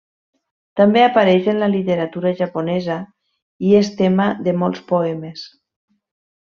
També apareix en la literatura japonesa i és tema de molts poemes.